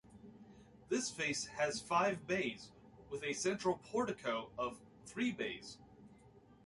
This face has five bays, with a central portico of three bays.